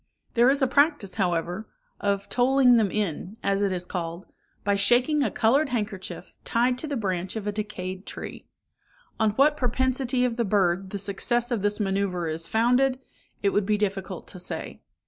There is a practice, however, of tolling them in, as it is called, by shaking a coloured handkerchief tied to the branch of a decayed tree. On what propensity of the bird the success of this manœuvre is founded, it would be difficult to say.